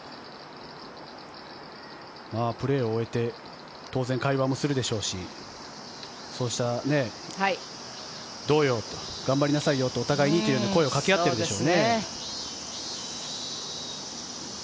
プレーを終えて当然、会話もするでしょうしそうした、どうよ？と頑張りなさいよとお互いに声を掛け合っているでしょうね。